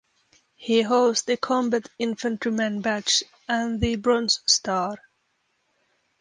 He holds the Combat Infantryman Badge and the Bronze Star.